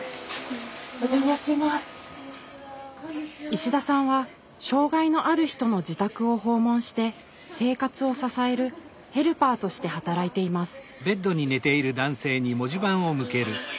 石田さんは障害のある人の自宅を訪問して生活を支える「ヘルパー」として働いています。